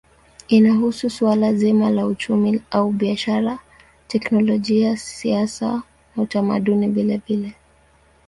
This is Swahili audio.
Inahusu suala zima la uchumi au biashara, teknolojia, siasa na utamaduni vilevile.